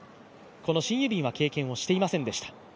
このシン・ユビンは経験をしていませんでした。